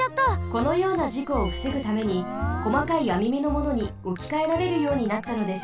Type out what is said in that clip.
このようなじこをふせぐためにこまかいあみめのものにおきかえられるようになったのです。